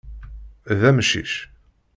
D amcic.